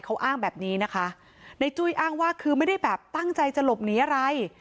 เขาอ้างแบบนี้นะคะในจุ้ยอ้างว่าคือไม่ได้แบบตั้งใจจะหลบหนีอะไร